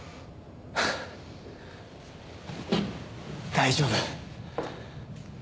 大丈夫。